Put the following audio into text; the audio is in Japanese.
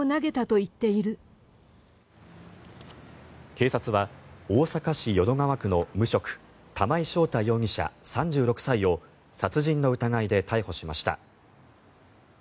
警察は大阪市淀川区の無職・玉井将太容疑者、３６歳を殺人の疑いで逮捕しました。